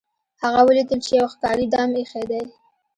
هغه ولیدل چې یو ښکاري دام ایښی دی.